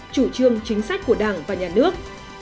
chủ trương chính sách của đảng và nhà nước